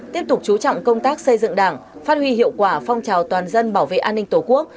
tiếp tục chú trọng công tác xây dựng đảng phát huy hiệu quả phong trào toàn dân bảo vệ an ninh tổ quốc